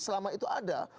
selama itu ada